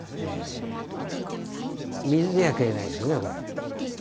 水じゃ消えないですねこれ。